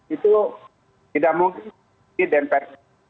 itu tidak mungkin di dpr